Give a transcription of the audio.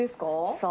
そう。